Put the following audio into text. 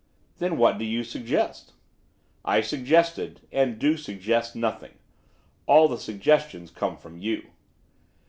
'Then what do you suggest?' 'I suggested, and do suggest, nothing. All the suggestions come from you.